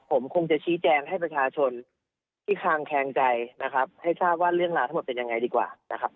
ผมคงจะชี้แจงให้ประชาชนที่คางแคงใจนะครับให้ทราบว่าเรื่องราวทั้งหมดเป็นยังไงดีกว่านะครับ